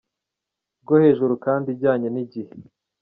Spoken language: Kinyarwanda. rwo hejuru kandi ijyanye n’igihe.